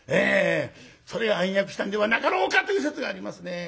それが暗躍したんではなかろうかという説がありますね。